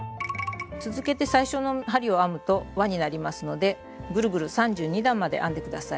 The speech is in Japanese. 続けて最初の針を編むと輪になりますのでぐるぐる３２段まで編んで下さい。